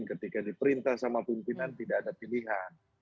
ketika diperintah sama pimpinan tidak ada pilihan